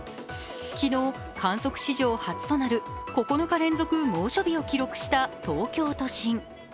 昨日、観測史上初となる９日連続猛暑日を記録した東京都心